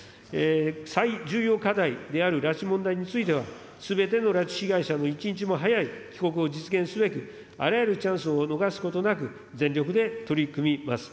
最重要課題である拉致問題については、すべての拉致被害者の一日も早い帰国を実現すべく、あらゆるチャンスを逃すことなく、全力で取り組みます。